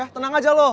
tenang aja lo